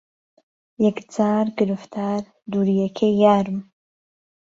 یهکجار گرفتار دوورییهکهی یارم